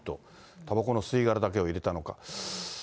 たばこの吸い殻だけを入れたのか。